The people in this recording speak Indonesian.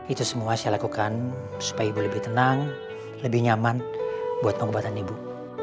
itu semua saya lakukan supaya ibu lebih tenang lebih nyaman buat pengobatan ibu